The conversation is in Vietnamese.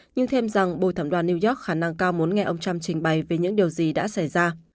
nhưng thêm rằng bồi thẩm đoàn new york khả năng cao muốn nghe ông trump trình bày về những điều gì đã xảy ra